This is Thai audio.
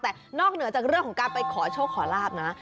แต่นอกเหนือจากเรื่องของการไปขอโชคขอลาบนะ